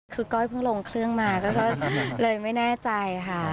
คือก้อยเพิ่งลงเครื่องมาก็เลยไม่แน่ใจค่ะ